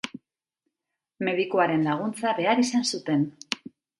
Medikuaren laguntza behar izan zuten.